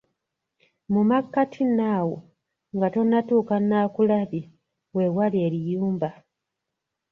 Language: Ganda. Mu makkati nno awo nga tonnatuuka Naakulabye we wali Eriyumba!